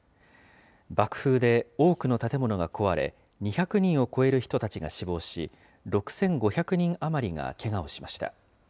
爆風で多くの建物が壊れ、２００人を超える人たちが死亡し、６５００人余りがけがをしました。